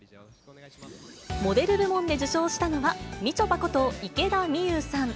モデル部門で受賞したのは、みちょぱこと池田美優さん。